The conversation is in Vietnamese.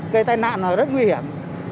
cây tai nạn rất nguy hiểm